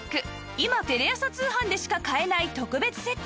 今テレ朝通販でしか買えない特別セット